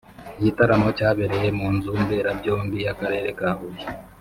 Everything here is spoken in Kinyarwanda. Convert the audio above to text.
igitaramo cyabereye mu nzu mberabyombi y’akarere ka Huye